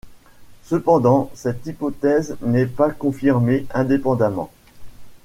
Cependant, cette hypothèse n'est pas confirmée indépendamment.